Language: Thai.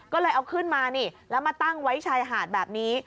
ก็เลยเอาขึ้นมานี่แล้วมาตั้งไว้ชายหาดแบบนี้